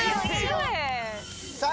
さあ！